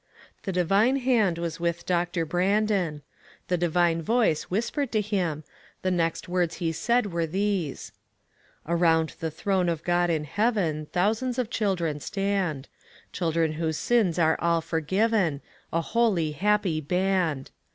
The Divine Hand was with Doctor Bran don. The Divine Voice whispered to him ; the next words he said were these : Around the throne of God in heaven, Thousands of children stand; Children whose sins are all forgiven — A holy, happy band.